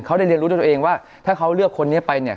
เขาได้เรียนรู้ด้วยตัวเองว่าถ้าเขาเลือกคนนี้ไปเนี่ย